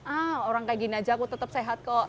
ah orang kayak gini aja aku tetap sehat kok